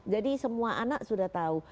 jadi semua anak sudah tahu